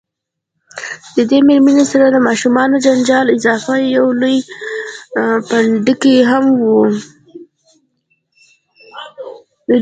دې میرمنې سره د ماشومانو له جنجاله اضافه یو لوی پنډکی هم و.